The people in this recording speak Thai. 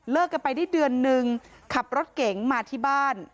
กันไปได้เดือนนึงขับรถเก๋งมาที่บ้าน